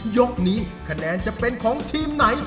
ยกนี้คะแนนจะเป็นของทีมไหน